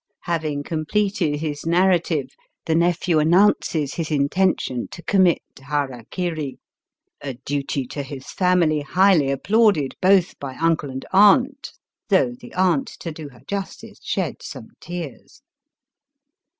Having completed his narrative, the nephew announces his intention to commit hari kari. Digitized by VjOOQIC 302 BAST BY WEST. a duty to his family highly applauded both by uncle and aunt, though the aunt, to do her justice, shed some tears.